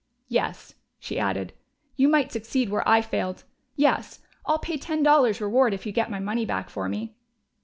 "Yes," she added, "you might succeed where I failed.... Yes, I'll pay ten dollars' reward if you get my money back for me."